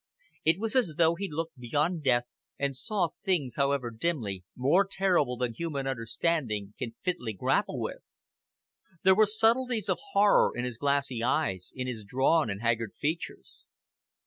It was as though he looked beyond death and saw things, however dimly, more terrible than human understanding can fitly grapple with. There were subtleties of horror in his glassy eyes, in his drawn and haggard features.